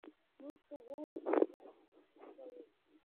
موږ پر غوړ ډېره تکیه کوو.